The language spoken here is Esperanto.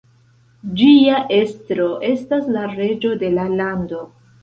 Ĝia estro estas la reĝo de la lando.